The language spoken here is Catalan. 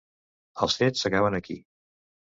Els fets s'acaben aquí.